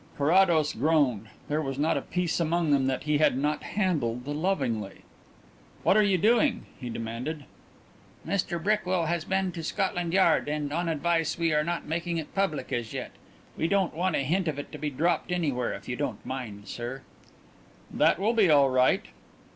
Carrados groaned. There was not a piece among them that he had not handled lovingly. "What are you doing?" he demanded. "Mr Brickwill has been to Scotland Yard, and, on advice, we are not making it public as yet. We don't want a hint of it to be dropped anywhere, if you don't mind, sir." "That will be all right."